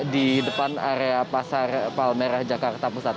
di depan area pasar palmerah jakarta pusat